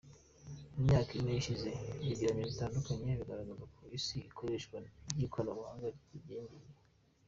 Mu myaka ine ishize ibyegeranyo bitandukanye bigaragaza ko ku isi ikoreshwa ry’ikoranabuhanga ryiyingereye.